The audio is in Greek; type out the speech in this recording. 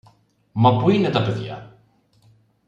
Μα πού είναι τα παιδιά;